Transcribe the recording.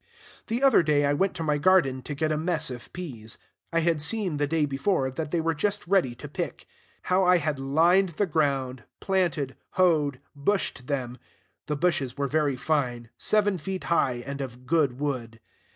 The other day I went to my garden to get a mess of peas. I had seen, the day before, that they were just ready to pick. How I had lined the ground, planted, hoed, bushed them! The bushes were very fine, seven feet high, and of good wood.